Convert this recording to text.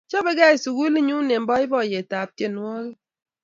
chobegei sukulinyu eng poipoiyet ab tienwogik